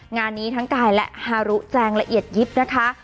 งานนี้ทั้งกายและฮารุแจงละเอียดยิบนะคะ